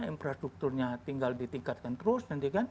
infrastrukturnya tinggal ditingkatkan terus